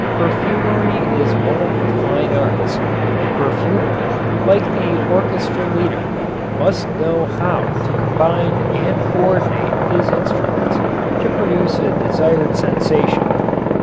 Perfumery is one of the fine arts. The perfumer, like the orchestra leader, must know how to combine and coördinate his instruments to produce a desired sensation.